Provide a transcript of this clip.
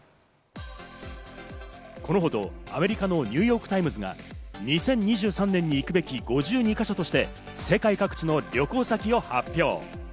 このほどアメリカのニューヨーク・タイムズが「２０２３年に行くべき５２か所」として世界各地の旅行先を発表。